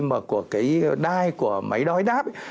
cái dây của cái đai của máy đói đáp